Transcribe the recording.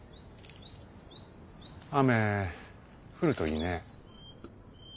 雨降るといいね。